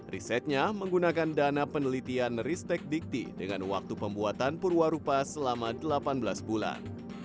risetnya menggunakan dana penelitian ristek dikti dengan waktu pembuatan perwarupa selama delapan belas bulan